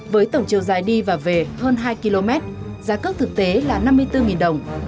với tổng chiều dài đi và về hơn hai km giá cước thực tế là năm mươi bốn đồng